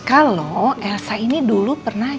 kalau elsa ini dulu pernah